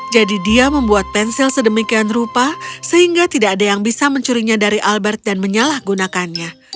jadi dia membuat pensil sedemikian rupa sehingga tidak ada yang bisa mencurinya dari albert dan menyalahgunakannya